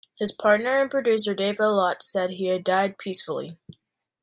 His partner and producer Dave Aylott said he had died peacefully.